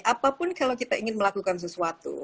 apapun kalau kita ingin melakukan sesuatu